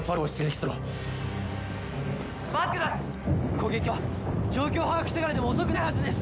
攻撃は状況を把握してからでも遅くないはずです！